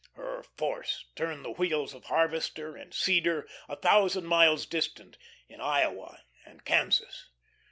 Her force turned the wheels of harvester and seeder a thousand miles distant in Iowa and Kansas.